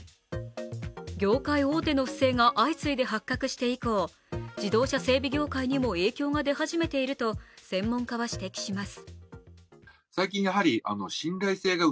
業界大手の不正が相次いで発覚して以降、自動車整備業界にも影響が出始めていると専門家は指摘しています。